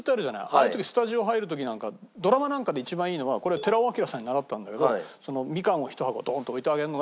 あの時スタジオ入る時なんかドラマなんかで一番いいのはこれ寺尾聰さんに習ったんだけどミカンを１箱ドンと置いてあげるのが一番。